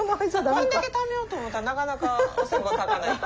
こんだけためようと思ったらなかなかお線香たかないと。